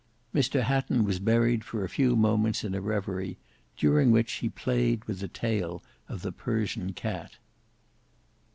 Mr Hatton was buried for a few moments in a reverie, during which he played with the tail of the Persian cat.